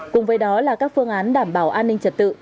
cùng với đó là các phương án đảm bảo an ninh trật tự